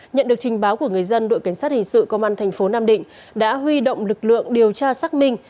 nhận được trình báo của người dân đội cảnh sát hình sự công an thành phố nam định đã huy động lực lượng điều tra xác minh